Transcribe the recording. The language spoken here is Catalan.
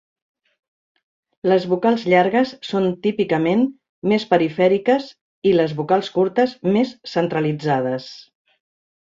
Les vocals llargues són típicament més perifèriques i les vocals curtes més centralitzades.